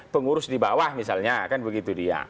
pengurus di bawah misalnya kan begitu dia